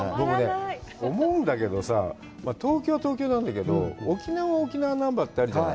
思うんだけどさぁ、東京は「東京」なんだけど、沖縄は沖縄ナンバーってあるじゃない。